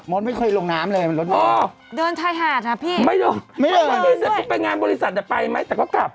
หมดไม่เคยลงน้ำเลยมันลดพอโอ้เดินทายหาดฮะพี่ไม่เดินไม่เดินไปงานบริษัทเดี๋ยวไปไหมแต่ก็กลับครับ